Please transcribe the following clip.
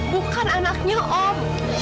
bukan anaknya om